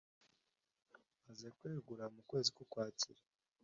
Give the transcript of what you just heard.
maze kwegura mu kwezi kw'ukwakira .